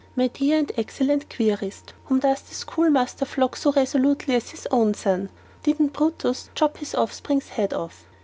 My dear and excellent querist, whom does the schoolmaster flog so resolutely as his own son? Didn't Brutus chop his offspring's head off?